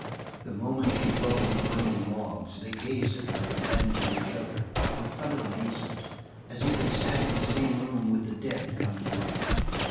The moment she dwelt on the burning logs they gazed at her and then to each other with utter amazement as if they sat in the same room with the dead come to life.